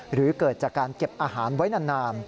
หรือเกิดจากการเก็บอาหารไว้นาน